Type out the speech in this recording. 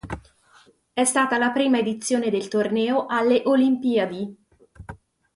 È stata la prima edizione del torneo alle olimpiadi.